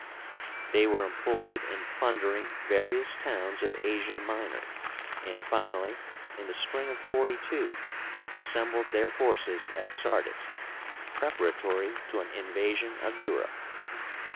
They were employed in plundering various towns of Asia Minor, and finally, in the spring of 42, assembled their forces at Sardis preparatory to an invasion of Europe.